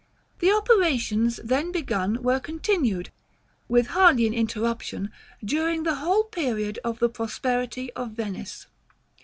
The operations then begun were continued, with hardly an interruption, during the whole period of the prosperity of Venice.